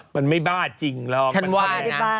มันไม่บ้าจริงหรอก